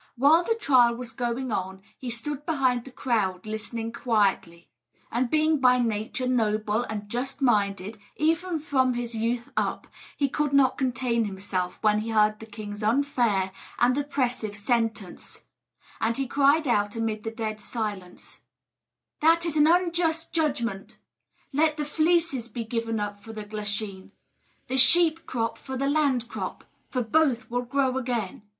While the trial was going on he stood behind the crowd listening quietly; and being by nature noble and just minded, even from his youth up, he could not contain himself when he heard the king's unfair and oppressive sentence; and he cried out amid the dead silence: "That is an unjust judgment! Let the fleeces be given up for the glasheen the sheep crop for the land crop for both will grow again!"